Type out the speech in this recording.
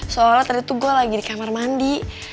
soalnya tadi tuh gue lagi di kamar mandi